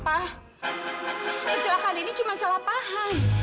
kecelakaan ini cuma salah paham